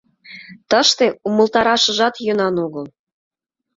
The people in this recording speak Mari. Тыште умылтарашыжат йӧнан огыл.